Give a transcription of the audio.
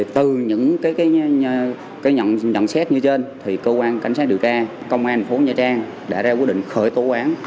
từ những nhận xét như trên cơ quan cảnh sát điều tra công an phố nha trang đã ra quyết định khởi tổ quán